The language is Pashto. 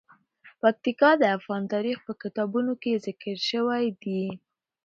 پکتیکا د افغان تاریخ په کتابونو کې ذکر شوی دي.